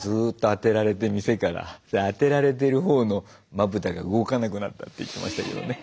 で当てられてるほうのまぶたが動かなくなったって言ってましたけどね。